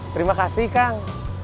terima kasih kang